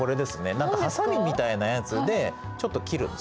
何かはさみみたいなやつでちょっと切るんですよ。